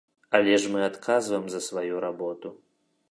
Але ж мы адказваем за сваю работу.